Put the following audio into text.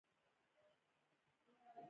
هغه خپلې جامې تغیر کړې.